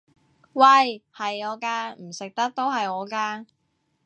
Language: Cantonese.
喂！係我㗎！唔食得都係我㗎！